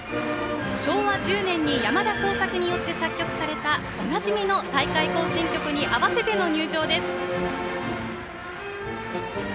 昭和１０年に山田耕筰によって作曲されたおなじみの「大会行進曲」に合わせての入場です。